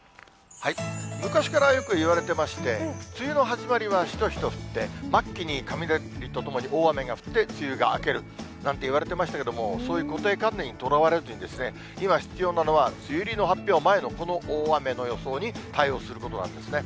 昔からよくいわれてまして、梅雨の始まりはしとしと降って、末期に雷とともに大雨が降って、梅雨が明けるなんていわれてましたけど、そういう固定観念にとらわれずに、今、必要なのは、梅雨入りの発表前の、この大雨の予想に対応することなんですね。